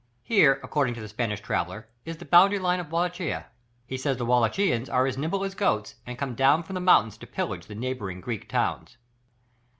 Here, according to the Spanish traveller, is the boundary line of Wallachia; he says the Wallachians are as nimble as goats, and come down from the mountains to pillage the neighbouring Greek towns.